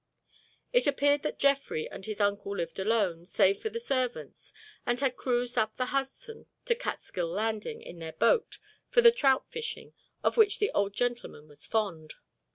It appeared that Jeffrey and his uncle lived alone, save for the servants, and had cruised up the Hudson to Catskill Landing in their boat for the trout fishing of which the old gentleman was fond.